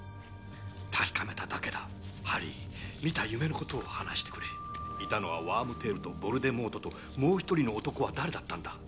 確かめただけだハリー見た夢のことを話してくれいたのはワームテールとヴォルデモートともう一人の男は誰だったんだ？